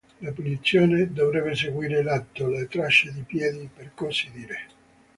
La punizione dovrebbe seguire l'atto "le tracce di piedi" per così dire.